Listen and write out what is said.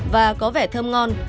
và có vẻ thơm ngon